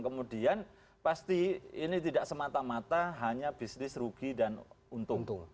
kemudian pasti ini tidak semata mata hanya bisnis rugi dan untung